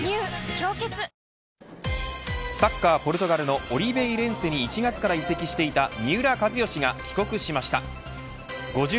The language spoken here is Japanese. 「氷結」サッカーポルトガルのオリベイレンセに１月から移籍していた三浦知良は帰国しました。